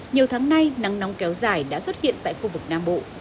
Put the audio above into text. nhiều tháng nay nắng nóng kéo dài đã xuất hiện tại khu vực nam bộ